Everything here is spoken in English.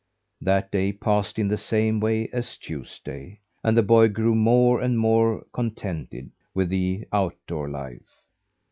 That day passed in the same way as Tuesday; and the boy grew more and more contented with the outdoor life.